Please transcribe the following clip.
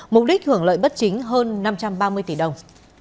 mục đích hưởng lợi bất chính hơn năm trăm ba mươi tỷ đồng